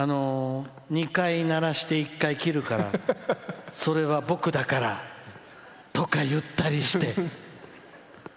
２回、鳴らして、１回切るからそれが僕だからとか言ったりして。